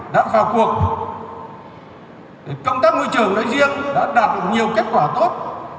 đã vào cuộc công tác môi trường nói riêng đã đạt nhiều kết quả tốt